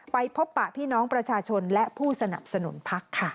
ไปพบปะพี่น้องประชาชนและผู้สนับสนุนพักค่ะ